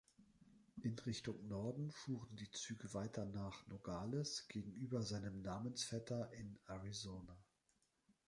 In Richtung Norden fuhren die Züge weiter nach Nogales, gegenüber seinem Namensvetter in Arizona.